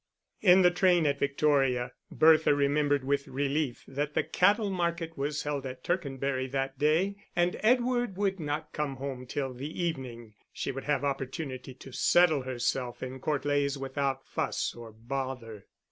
In the train at Victoria, Bertha remembered with relief that the cattle market was held at Tercanbury that day, and Edward would not come home till the evening. She would have opportunity to settle herself in Court Leys without fuss or bother.